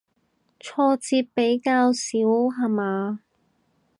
挫折比較少下嘛